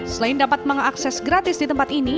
selain dapat mengakses gratis di tempat ini